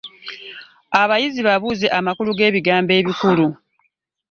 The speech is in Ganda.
Abayizi babuuze amakulu g’ebigambo ebikulu.